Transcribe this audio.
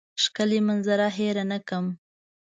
ښکلې منظره هېره نه کړم.